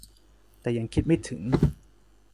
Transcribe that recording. แต่ยังไม่ถึง